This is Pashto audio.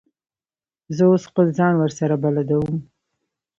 زه اوس خپله ځان ورسره بلدوم.